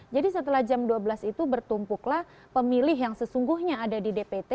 jadi setelah jam dua belas itu bertumpuklah pemilih yang sesungguhnya ada di dpt